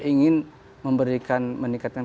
ingin memberikan meningkatkan